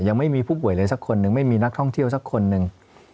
ยังไม่มีผู้ป่วยเลยสักคนหนึ่งไม่มีนักท่องเที่ยวสักคนหนึ่ง